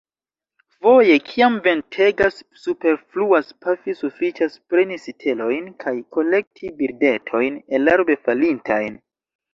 Foje, kiam ventegas, superfluas pafi: sufiĉas preni sitelojn kaj kolekti birdetojn elarbe falintajn.